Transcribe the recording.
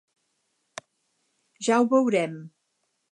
Ja ho veurem.